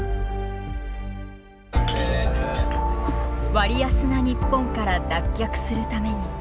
割安な日本から脱却するために。